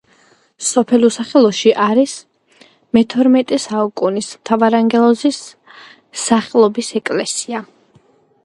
სოფელ უსახელოში არის მეთორმეტე საუკუნის მთავარანგელოზის სახელობის ეკლესია